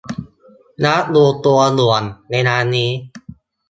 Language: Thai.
นัดรวมตัวด่วน ! เวลานี้ !